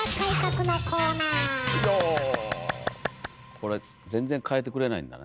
これ全然かえてくれないんだね。